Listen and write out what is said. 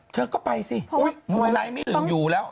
เธอก็ไปสิมวยไลท์ไม่หนึ่งอยู่แล้ว